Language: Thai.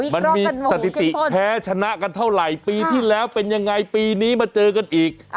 มันมีสถิติแพ้ชนะกันเท่าไหร่ปีที่แล้วเป็นยังไงปีนี้มาเจอกันอีก